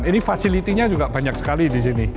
ini facility nya juga banyak sekali di sini